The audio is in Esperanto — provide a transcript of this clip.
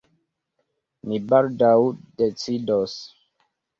Ni baldaŭ decidos.